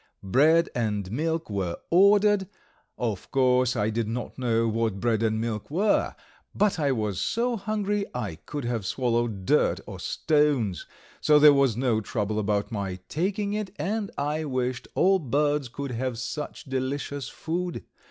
Bread and milk were ordered. Of course, I did not know what bread and milk were, but I was so hungry I could have swallowed dirt or stones, so there was no trouble about my taking it, and I wished all birds could have such delicious food.